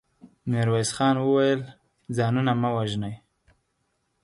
ميرويس خان وويل: ځانونه مه وژنئ.